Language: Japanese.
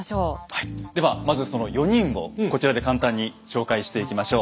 はいではまずその４人をこちらで簡単に紹介していきましょう。